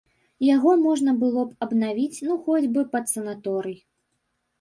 Яго можна было б аднавіць, ну, хоць бы пад санаторый.